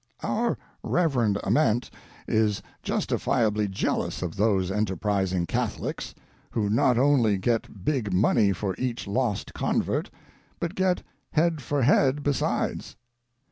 Our Reverend Ament is justifiably jealous of those enterpris ing Catholics, who not only get big money for each lost convert, but get "head for head" besides.